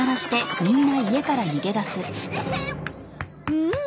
うん！